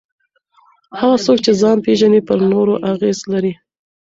هغه څوک چې ځان پېژني پر نورو اغېزه لري.